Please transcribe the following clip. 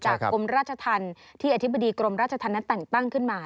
กรมราชธรรมที่อธิบดีกรมราชธรรมนั้นแต่งตั้งขึ้นมา